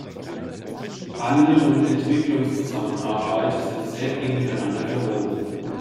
Handel und Entwicklungszusammenarbeit sind sehr eng miteinander verwoben.